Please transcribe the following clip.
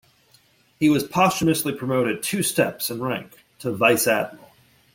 He was posthumously promoted two steps in rank to vice admiral.